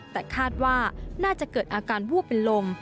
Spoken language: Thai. แต่คาดว่าน่าจะเกิดอาการวูบเป็นลม